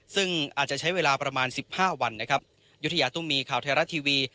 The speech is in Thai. ซึ่งอาจจะใช้เวลาประมาณสิบห้าวันนะครับยุธยาตุ้มีข่าวไทยรัฐทีวี